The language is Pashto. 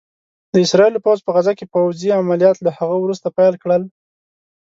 د اسرائيلو پوځ په غزه کې پوځي عمليات له هغه وروسته پيل کړل